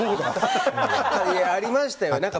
ありましたよ。